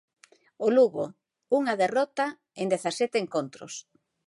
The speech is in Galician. O Lugo, unha derrota en dezasete encontros.